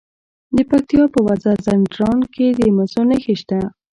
د پکتیا په وزه ځدراڼ کې د مسو نښې شته.